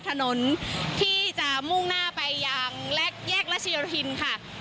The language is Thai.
ถนที่จะมุ่งหน้าไปยังแรกแยกรัชโชฯภิลค่ะ